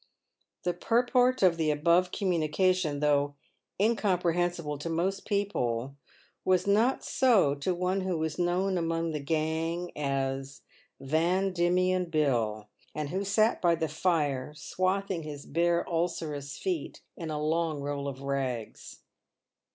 The purport of the above communication, though incomprehensible to most people, was not so to one who was known among the gang 70 PAVED WITH GOLD. as Yau Diemen Bill, and who sat by the fire swathing his. bare ulcerous feet in a long roll of rags.